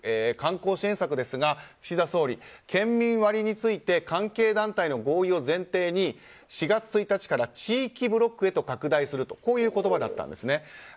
観光支援策ですが岸田総理、県民割について関係団体の合意を前提に４月１日から地域ブロックへと拡大するとこういう言葉だったんですね。